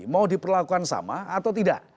mau diperlakukan sama atau tidak